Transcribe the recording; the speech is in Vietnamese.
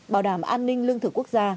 bảo đảm an ninh lương thực quốc gia